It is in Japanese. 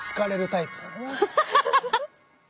ハハハハハ！